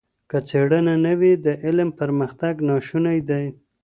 که څېړنه نه وي د علم پرمختګ ناشونی دی.